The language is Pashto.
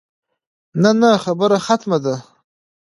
نه نه خبره ختمه ده.